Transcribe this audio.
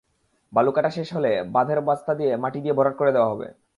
বালু কাটা শেষ হলে বাঁধের রাস্তা মাটি দিয়ে ভরাট করে দেওয়া হবে।